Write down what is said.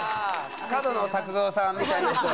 角野卓造さんみたいな人は。